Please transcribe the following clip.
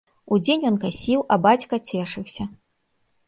Удзень ён касіў, а бацька цешыўся.